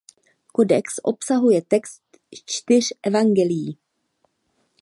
Kodex obsahuje text čtyř evangelií.